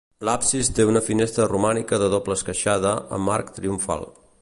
L'absis té una finestra romànica de doble esqueixada, amb arc triomfal.